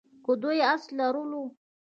که دوی آس لرلو.